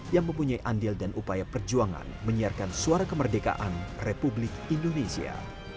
yang mempunyai andil dan upaya perjuangan menyiarkan suara kemerdekaan republik indonesia